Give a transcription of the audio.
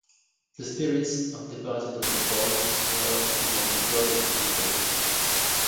The spirits of departed ancestors were among the gods of the people.